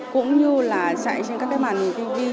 cũng như là chạy trên các màn tv